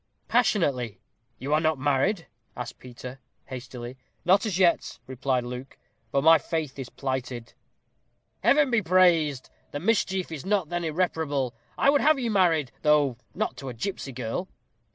"Passionately." "You are not married?" asked Peter, hastily. "Not as yet," replied Luke; "but my faith is plighted." "Heaven be praised! The mischief is not then irreparable. I would have you married though not to a gipsy girl."